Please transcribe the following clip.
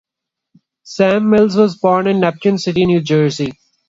Sam Mills was born in Neptune City, New Jersey.